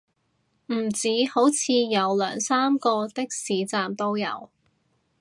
唔止，好似有兩三個的士站都有